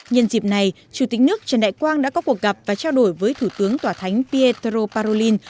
nhân dịp này chủ tịch nước trần đại quang đã có cuộc gặp và trao đổi với thủ tướng tòa thánh pietaro paralin